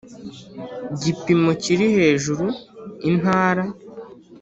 gipimo kiri hejuru Intara